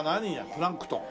プランクトン？